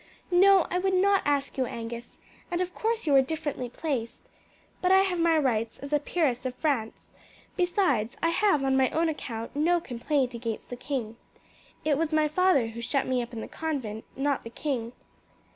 "No, I would not ask you, Angus, and of course you are differently placed; but I have my rights as a peeress of France; besides I have on my own account no complaint against the king. It was my father who shut me up in the convent, not the king."